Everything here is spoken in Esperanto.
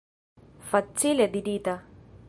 Facile dirita!